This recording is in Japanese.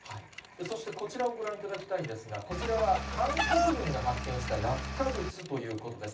そしてこちらをご覧いただきたいんですが、こちらは、韓国軍が発見した落下物ということです。